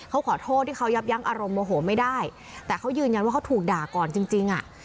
เขาขอโทษที่เขายับยั้งอารมณ์โมโหไม่ได้แต่เขายืนยันว่าเขาถูกด่าก่อนจริงจริงอ่ะ